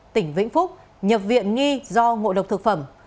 tỉnh vĩnh phúc nhập viện nghi do ngộ độc thực phẩm